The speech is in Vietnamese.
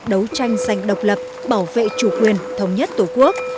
đấu tranh giành độc lập bảo vệ chủ quyền thống nhất tổ quốc